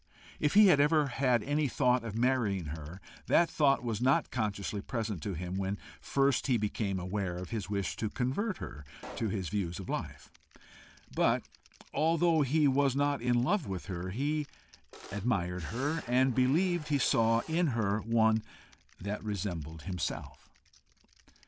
If he had ever had any thought of marrying her, that thought was not consciously present to him when first he became aware of his wish to convert her to his views of life. But, although he was not in love with her, he admired her, and believed he saw in her one that resembled himself.